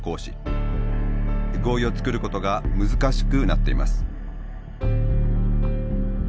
合意を作ることが難しくなっています。